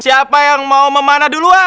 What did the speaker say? siapa yang mau memanah duluan